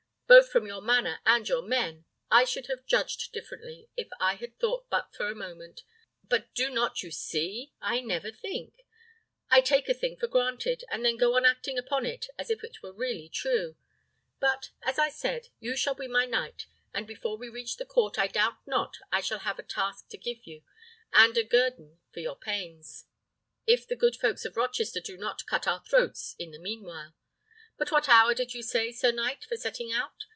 "Both from your manner and your mien, I should have judged differently, if I had thought but for a moment; but do not you see, I never think? I take a thing for granted, and then go on acting upon it as if it were really true. But, as I said, you shall be my knight, and before we reach the court I doubt not I shall have a task to give you, and a guerdon for your pains, if the good folks of Rochester do not cut our throats in the mean while. But what hour did you say, sir knight, for setting out?